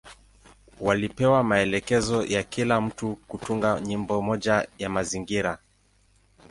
Walipewa maelekezo ya kila mtu kutunga nyimbo moja ya mazingira.